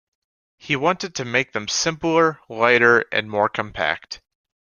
He wanted to make them simpler, lighter, and more compact.